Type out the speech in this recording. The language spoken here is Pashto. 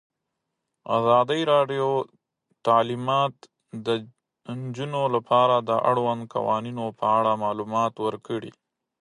ازادي راډیو د تعلیمات د نجونو لپاره د اړونده قوانینو په اړه معلومات ورکړي.